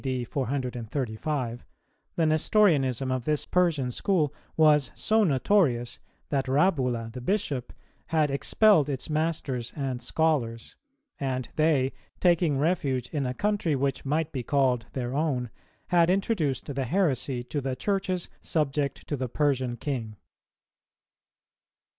D. 435) the Nestorianism of this Persian School was so notorious that Rabbula the Bishop had expelled its masters and scholars;[292:1] and they, taking refuge in a country which might be called their own, had introduced the heresy to the Churches subject to the Persian King.